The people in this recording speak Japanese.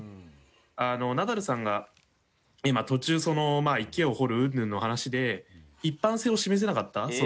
ナダルさんが今、途中池を掘るうんぬんの話で一般性を示せなかった。